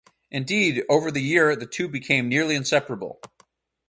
Indeed over the year the two became nearly inseparable.